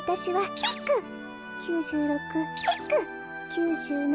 ９７。